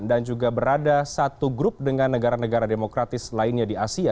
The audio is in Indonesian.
dan juga berada satu grup dengan negara negara demokratis lainnya di asia